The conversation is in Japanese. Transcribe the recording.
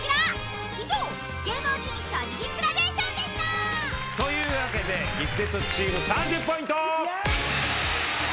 ［以上芸能人所持金グラデーションでした］というわけでギフテッドチーム３０ポイント！